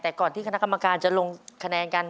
แต่ก่อนที่คณะกรรมการจะลงคะแนนกัน